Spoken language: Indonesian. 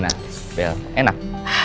wah gimana enak